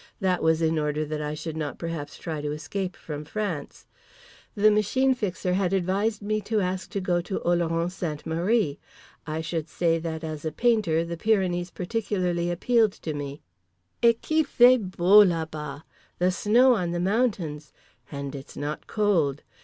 That was in order that I should not perhaps try to escape from France. The Machine Fixer had advised me to ask to go to Oloron Sainte Marie. I should say that, as a painter, the Pyrenees particularly appealed to me. "Et qu'il fait beau, là bas! The snow on the mountains! And it's not cold.